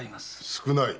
少ない。